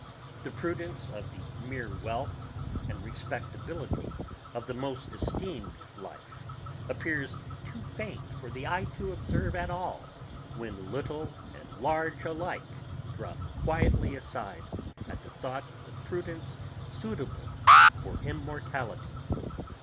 The prudence of the mere wealth and respectability of the most esteemed life appears too faint for the eye to observe at all when little and large alike drop quietly aside at the thought of the prudence suitable for immortality.